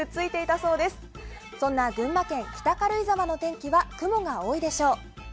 そんな群馬県北軽井沢の天気は雲が多いでしょう。